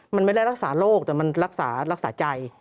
มันไม่ได้รักษาโรคแต่มันรักษารักษาใจ